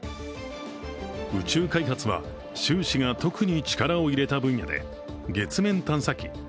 宇宙開発は、習氏が特に力を入れた分野で月面探査機